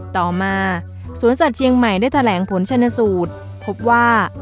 ต่อมาสวนสัตว์เชียงใหม่ได้แถลงผลชนสูตรพบว่า